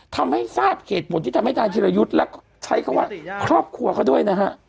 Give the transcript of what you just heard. ทำให้ทราบเหตุผลที่ทำให้โครบครัวเข้าด้วยนะฮะ